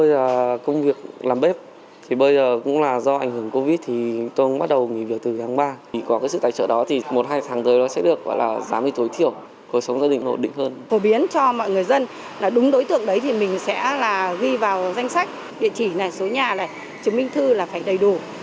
và ghi vào danh sách địa chỉ này số nhà này chứng minh thư là phải đầy đủ hoặc làm nghề gì mình cũng ghi vào đầy đủ để phường giả soát cho lo kỹ